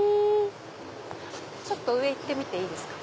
ちょっと上行ってみていいですか。